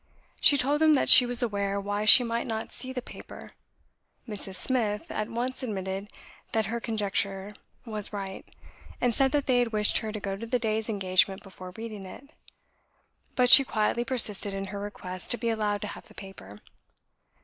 She told them that she was aware why she might not see the paper. Mrs. Smith at once admitted that her conjecture was right, and said that they had wished her to go to the day's engagement before reading it. But she quietly persisted in her request to be allowed to have the paper.